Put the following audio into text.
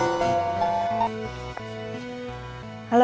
kita udah ada